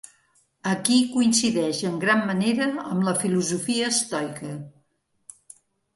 Aquí coincideix en gran manera amb la filosofia estoica.